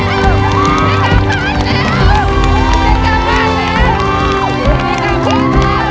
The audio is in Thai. สวัสดีครับ